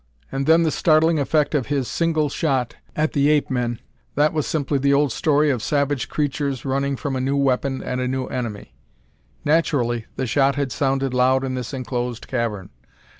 And then the startling effect of his single shot at the ape men that was simply the old story of savage creatures running from a new weapon and a new enemy; naturally the shot had sounded loud in this enclosed cavern.